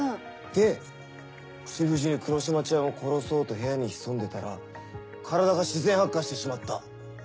で口封じに黒島ちゃんを殺そうと部屋に潜んでたら体が自然発火してしまった。